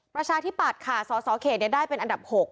ประชาที่ปัดค่ะสอเขตได้เป็นอันดับ๖